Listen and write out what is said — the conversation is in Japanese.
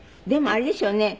でもあれですよね